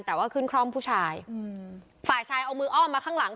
แต่ว่าขึ้นคล่อมผู้ชายอืมฝ่ายชายเอามืออ้อมมาข้างหลัง